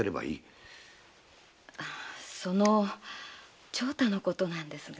その長太のことでなんですが。